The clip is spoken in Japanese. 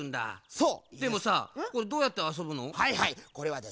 そう！